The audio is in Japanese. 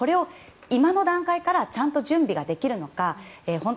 今の段階からちゃんと準備ができるのか。